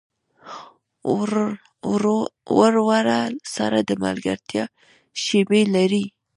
ورور سره د ملګرتیا شیبې لرې.